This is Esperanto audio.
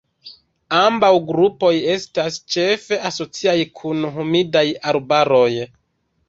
Ambaŭ grupoj estas ĉefe asociaj kun humidaj arbaroj.